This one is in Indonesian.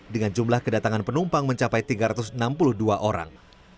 dengan jumlah kedatangan penumpang mencapai tiga ratus enam puluh dua orang